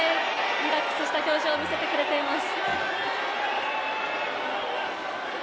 リラックスした表情を見せてくれています。